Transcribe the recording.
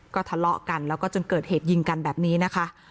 ก็ทะเลาะกันแล้วก็จนเกิดเหตุยิงกันแบบนี้นะคะ